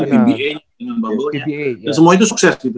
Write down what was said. dan semua itu sukses